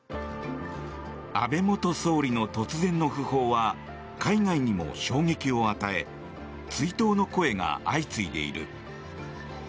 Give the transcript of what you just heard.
安倍元総理の突然の訃報は海外にも衝撃を与え追悼の声が相次いでいる。